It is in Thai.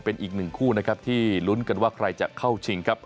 เป็นอีกหนึ่งคู่นะครับที่ลุ้นกันว่าใครจะเข้าชิงครับ